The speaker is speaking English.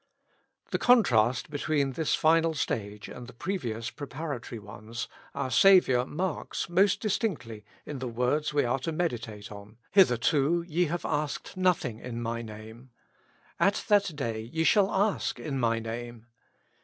The contrast between this final stage and the pre vious preparatory ones our Saviour marks most distinctly in the words we are to meditate on: ^'Hitherto ye have asked nothing in my Name ;" ''At that day ye shall ask in my Name.